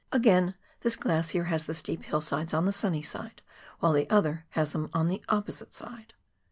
Again, this glacier has the steep hillsides on the sunnj' side, while the other has them on the opposite side.